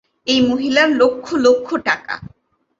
এই মহিলার লক্ষ লক্ষ টাকা।